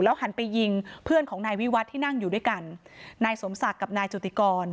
หันไปยิงเพื่อนของนายวิวัฒน์ที่นั่งอยู่ด้วยกันนายสมศักดิ์กับนายจุติกร